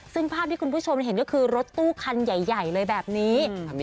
ซึ่งภาพที่คุณผู้ชมเห็นก็คือรถตู้คันใหญ่เลยแบบนี้